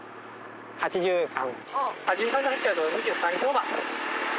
８３。